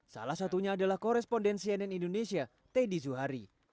salah satunya adalah korespondensi nn indonesia teddy zuhari